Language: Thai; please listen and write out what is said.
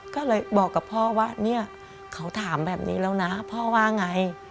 ก็เลยบอกกับพ่อว่าเขาถามแบบนี้แล้วนะพ่อว่าอย่างไร